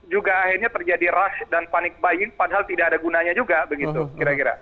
juga akhirnya terjadi rush dan panic buying padahal tidak ada gunanya juga begitu kira kira